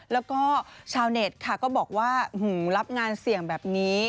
แล้วก็ชาวเน็ตค่ะก็บอกว่ารับงานเสี่ยงแบบนี้